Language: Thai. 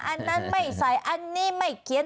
อันนั้นไม่ใส่อันนี้ไม่เขียน